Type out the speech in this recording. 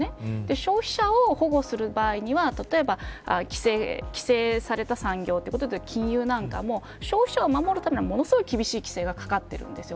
消費者を保護する場合には例えば規制された産業ということで金融なんかも消費者を守るためにはものすごい厳しい規制がかかってるんです。